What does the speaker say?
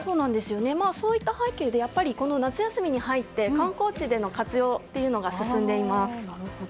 そういった背景で夏休みに入って観光地での活用というのが進んでいます。